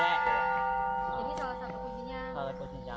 jadi salah satu kuncinya